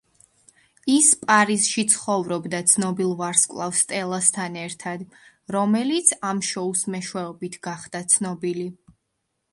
ის პარიზში ცხოვრობდა ცნობილ ვარსკვლავ სტელასთან ერთად, რომელიც ამ შოუს მეშვეობით გახდა ცნობილი.